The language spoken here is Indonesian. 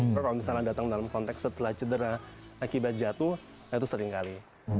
tapi kalau misalnya datang dalam konteks setelah cedera akibat jatuh ya itu sering kali